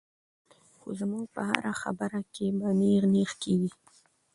خو زمونږ پۀ هره خبره کښې به نېغ نېغ کيږي -